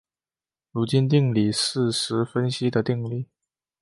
卢津定理是实分析的定理。